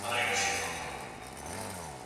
د ناروغانو فایلونه څنګه ساتل کیږي؟